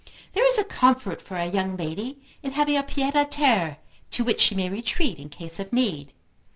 There is a comfort for a young lady in having a pied à terre to which she may retreat in case of need.